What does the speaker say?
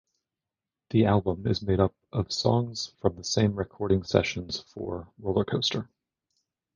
The album is made up of songs from the same recording sessions for "Rollercoaster".